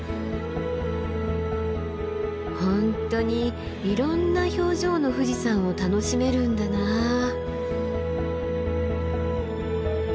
本当にいろんな表情の富士山を楽しめるんだなあ。